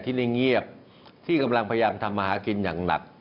ได้เงียบที่กำลังพยายามทำมาหากินอย่างหนัก